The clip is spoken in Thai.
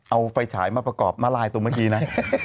เอาไฟฉายมาประกอบมาลายตรงเมื่อกี้นะ